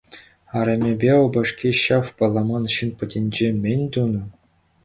Арӑмӗпе упӑшки ҫав палламан ҫын патӗнче мӗн тунӑ?